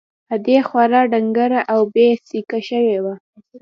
ادې خورا ډنگره او بې سېکه سوې وه.